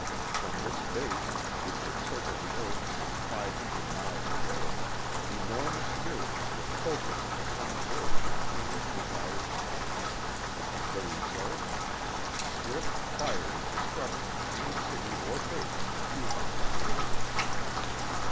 From this base, which would circle the earth some five hundred miles away, enormous mirrors would focus the sun's rays on any desired spot. The result: swift, fiery destruction of any city or base refusing to surrender.